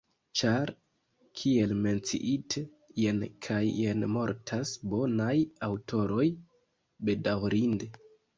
Ĉar, kiel menciite, jen kaj jen mortas bonaj aŭtoroj, bedaŭrinde.